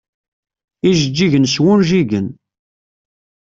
Ijeǧǧigen s wunjigen.